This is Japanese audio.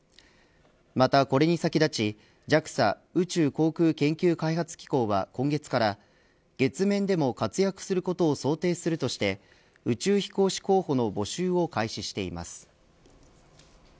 また、これに先立ちＪＡＸＡ宇宙航空研究開発機構は今月から月面でも活躍することを想定するとして宇宙飛行士候補の募集を開始しています。